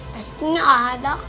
pastinya ada kok